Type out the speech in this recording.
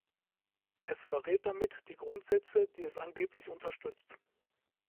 Es verrät damit die Grundsätze, die es angeblich unterstützt.